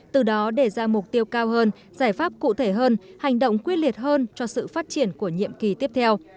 từ đó đề ra mục tiêu cao hơn giải pháp cụ thể hơn hành động quyết liệt hơn cho sự phát triển của nhiệm kỳ tiếp theo